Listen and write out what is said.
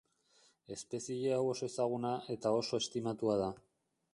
Espezie hau oso ezaguna eta oso estimatua da.